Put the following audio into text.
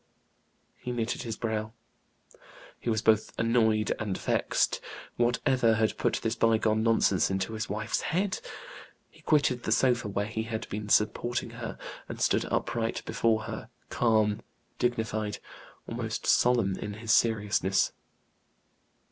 He knitted his brow; he was both annoyed and vexed. Whatever had put this bygone nonsense into his wife's head? He quitted the sofa where he had been supporting her, and stood upright before her, calm, dignified, almost solemn in his seriousness.